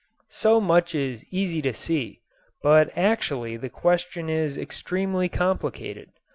So much is easy to see, but actually the question is extremely complicated.